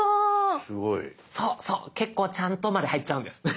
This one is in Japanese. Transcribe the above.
そうそう「結構ちゃんと」まで入っちゃうんです。